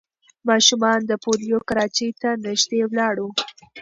ماشومان د پولیو کراچۍ ته نږدې ولاړ وو.